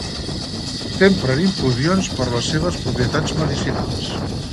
S'empra en infusions per les seves propietats medicinals.